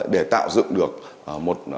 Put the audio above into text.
để tạo dựng được một